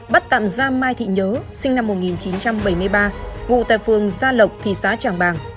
bắt tạm giam mai thị nhớ sinh năm một nghìn chín trăm bảy mươi ba ngụ tại phường gia lộc thị xã trảng bàng